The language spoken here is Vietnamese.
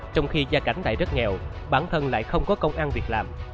trong khi gia cảnh tại rất nghèo bản thân lại không có công an việc làm